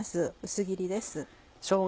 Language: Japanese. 薄切りです。